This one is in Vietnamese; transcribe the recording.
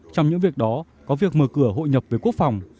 trong những việc đó có việc mở cửa hội nhập với quốc phòng